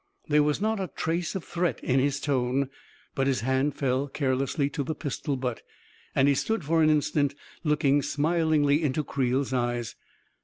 There was not a trace of threat in his tone; but his hand fell carelessly to the pistol butt, and he stood for an instant looking smilingly into Creel's eyes.